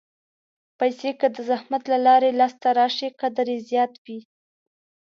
پېسې که د زحمت له لارې لاسته راشي، قدر یې زیات وي.